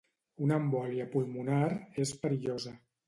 Una embòlia pulmonar és perillosa.